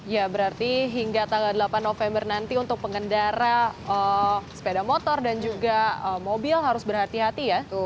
ya berarti hingga tanggal delapan november nanti untuk pengendara sepeda motor dan juga mobil harus berhati hati ya